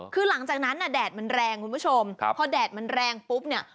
คือหลังจากนั้นแดดมันแรงคุณผู้ชมพอแดดมันแรงปุ๊บเนี่ย